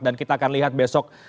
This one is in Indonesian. kita akan lihat besok